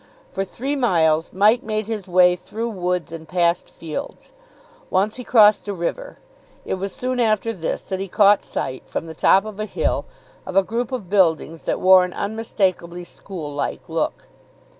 For three miles Mike made his way through woods and past fields. Once he crossed a river. It was soon after this that he caught sight, from the top of a hill, of a group of buildings that wore an unmistakably school like look.